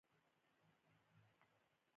په افغانستان کې د نورستان تاریخ اوږد دی.